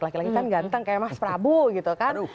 laki laki kan ganteng kayak mas prabu gitu kan